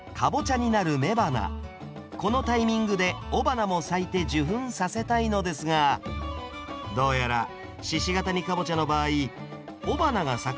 このタイミングで雄花も咲いて受粉させたいのですがどうやら鹿ケ谷かぼちゃの場合雄花が咲くのはつるの先の方。